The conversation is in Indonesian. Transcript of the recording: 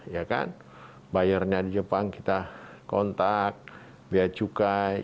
ya kan bayarnya di jepang kita kontak biaya cukai